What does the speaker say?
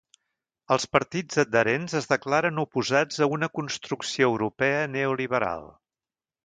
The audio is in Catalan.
Els partits adherents es declaren oposats a una construcció europea neoliberal.